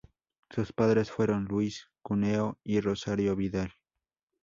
Sus padres fueron Luis Cúneo y Rosario Vidal.